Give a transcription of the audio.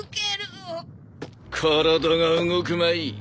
体が動くまい。